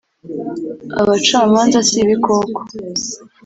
abacamanza si ibikoko